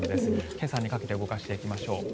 今朝にかけて動かしていきましょう。